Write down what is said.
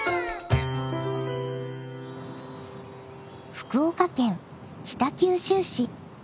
福岡県北九州市。